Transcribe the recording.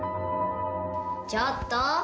ちょっと！